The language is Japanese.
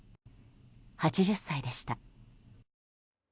８０歳でした。